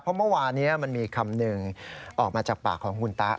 เพราะเมื่อวานี้มันมีคำหนึ่งออกมาจากปากของคุณตะ